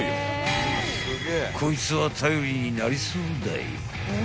［こいつは頼りになりそうだい］